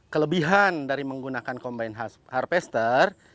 kelebihan dari menggunakan combine harpester